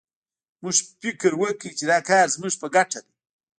موږ فکر وکړ چې دا کار زموږ په ګټه دی